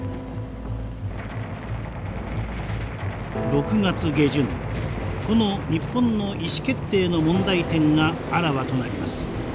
６月下旬この日本の意志決定の問題点があらわとなります。